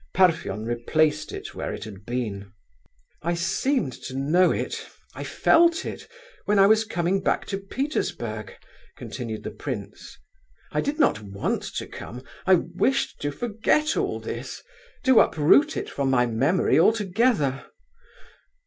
Parfen replaced it where it had been. "I seemed to know it—I felt it, when I was coming back to Petersburg," continued the prince, "I did not want to come, I wished to forget all this, to uproot it from my memory altogether!